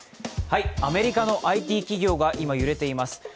アメリカのＩＴ企業が今、揺れています。